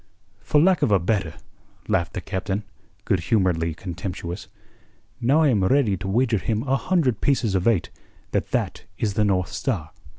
"For lack of a better," laughed the Captain, good humouredly contemptuous. "Now I am ready to wager him a hundred pieces of eight that that is the North Star."